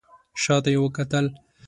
شا ته یې وکتل.